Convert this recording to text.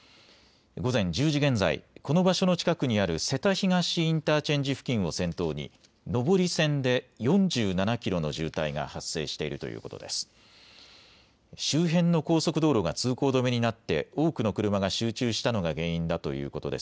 午前１０時現在、この場所の近くにある瀬田東インターチェンジ付近を先頭に上り線で４７キロの渋滞が発生しているということです。